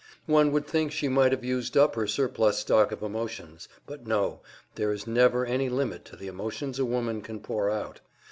One would think she might have used up her surplus stock of emotions; but no, there is never any limit to the emotions a woman can pour out.